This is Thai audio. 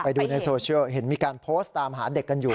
ไปดูในโซเชียลเห็นมีการโพสต์ตามหาเด็กกันอยู่